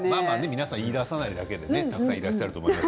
皆さん言いださないだけでたくさんいらっしゃると思います。